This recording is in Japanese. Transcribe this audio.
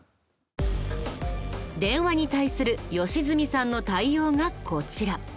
電話に対する良純さんの対応がこちら。